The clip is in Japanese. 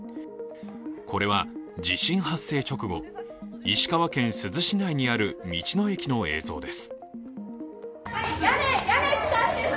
これは、地震発生直後石川県珠洲市内にある道の駅の映像です。